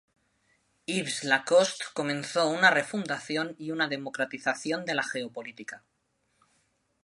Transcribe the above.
Yves Lacoste comenzó una refundación y una democratización de la geopolítica.